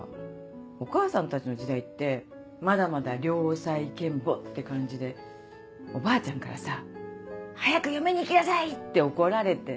お母さんたちの時代ってまだまだ良妻賢母って感じでおばあちゃんからさ「早く嫁にいきなさい！」って怒られて。